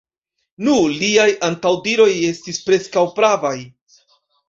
Nu, liaj antaŭdiroj estis preskaŭ pravaj!